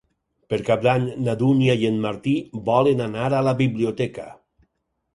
Per Cap d'Any na Dúnia i en Martí volen anar a la biblioteca.